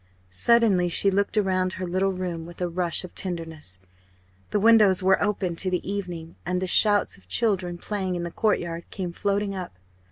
Suddenly she looked round her little room with a rush of tenderness. The windows were open to the evening and the shouts of children playing in the courtyard came floating up.